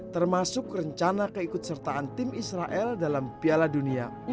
termasuk rencana keikutsertaan tim israel dalam piala dunia u dua puluh